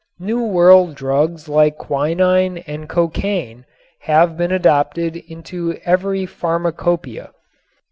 New World drugs like quinine and cocaine have been adopted into every pharmacopeia.